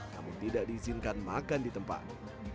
namun tidak diizinkan makan di tempat